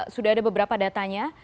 sudah ada beberapa datanya